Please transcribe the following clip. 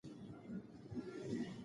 آیا تاسو د ټولنیز رفتار په اهمیت پوهیږئ.